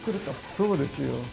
そうですよ。